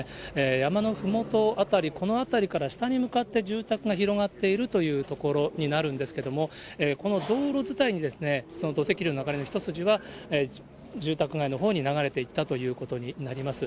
山のふもと辺り、この辺りから下に向かって住宅が広がっているという所になるんですけれども、この道路伝いにその土石流の流れの一筋は、住宅街のほうに流れていったということになります。